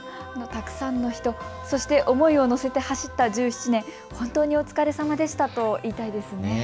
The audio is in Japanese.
たくさんの人、そして思いを乗せて走った１７年、本当にお疲れさまでしたと言いたいです。